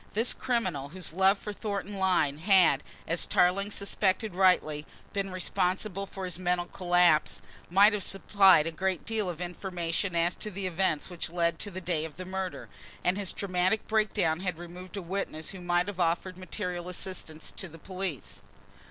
This criminal, whose love for Thornton Lyne had, as Tarling suspected rightly, been responsible for his mental collapse, might have supplied a great deal of information as to the events which led up to the day of the murder, and his dramatic breakdown had removed a witness who might have offered material assistance to the police.